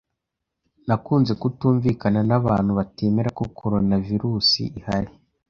Nakunze kutumvikana n’abantu batemera ko Coronavirusi ihari.